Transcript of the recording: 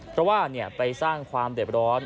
เพราะว่าไปสร้างความเด็บร้อน